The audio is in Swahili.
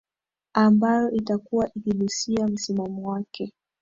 ambayo itakuwa ikigusia msimamo wake